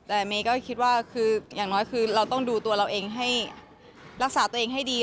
แต่เมย์ก็คิดว่าคืออย่างน้อยคือเราต้องดูตัวเราเองให้รักษาตัวเองให้ดี